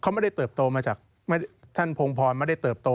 เขาไม่ได้เติบโตมาจากท่านพงพรไม่ได้เติบโต